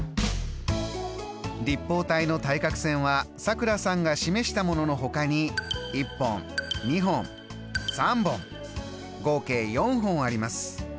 立方体の対角線はさくらさんが示したもののほかに１本２本３本合計４本あります。